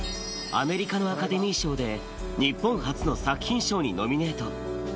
アメリカのアカデミー賞で、日本初の作品賞にノミネート。